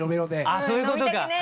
ああそういうことか！